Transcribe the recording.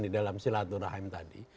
di dalam silaturahim tadi